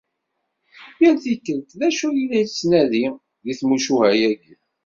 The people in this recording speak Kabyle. Yall tikkelt d acu i la yettnadi di tmucuha-agi.